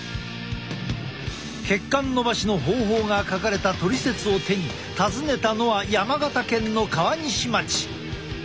血管のばしの方法が書かれたトリセツを手に訪ねたのは山形県の川西町。